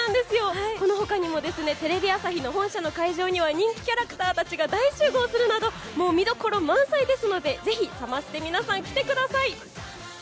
この他にもテレビ朝日本社の会場には人気キャラクターたちが大集合するなど見どころ満載ですのでぜひサマステに来てください！